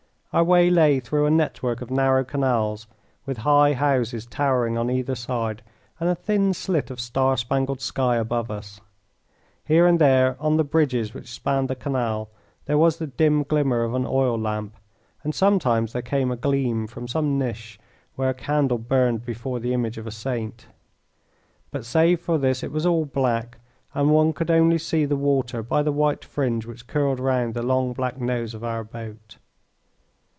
Our way lay through a network of narrow canals with high houses towering on either side and a thin slit of star spangled sky above us. Here and there, on the bridges which spanned the canal, there was the dim glimmer of an oil lamp, and sometimes there came a gleam from some niche where a candle burned before the image of a saint. But save for this it was all black, and one could only see the water by the white fringe which curled round the long black nose of our boat.